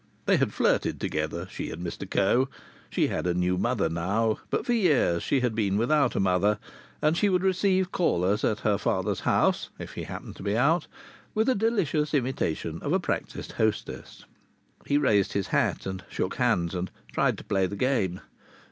They had flirted together, she and Mr Coe. She had a new mother now, but for years she had been without a mother, and she would receive callers at her father's house (if he happened to be out) with a delicious imitation of a practised hostess. He raised his hat and shook hands and tried to play the game.